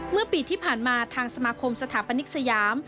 เมื่อปีที่ผ่านมาทางสมาคมสถาปนิกสยาม